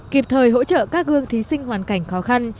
kịp thời hỗ trợ các gương thí sinh hoàn cảnh khó khăn